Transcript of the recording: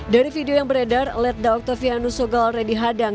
dari video yang beredar letnan dua infanteri octavianus sogelere dihadang